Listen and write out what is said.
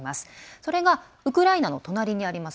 それがウクライナの隣にあります